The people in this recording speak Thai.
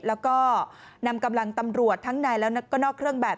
แล้วก็นำกำลังตำรวจทั้งในแล้วก็นอกเครื่องแบบ